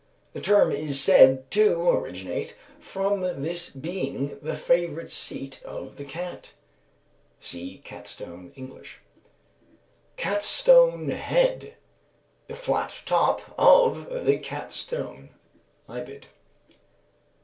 The term is said to originate from this being the favourite seat of the cat. See Catstone (English). Catstone head. The flat top of the Catstone (_ibid.